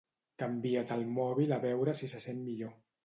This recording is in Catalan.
Canvia't el mòbil a veure si se sent millor